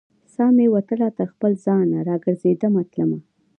سا مې وتله تر خپل ځان، را ګرزیدمه تلمه